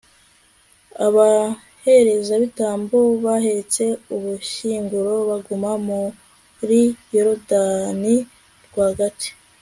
abaherezabitambo bahetse ubushyinguro baguma muri yorudani rwagati